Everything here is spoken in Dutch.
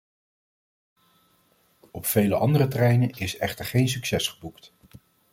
Op vele andere terreinen is echter geen succes geboekt.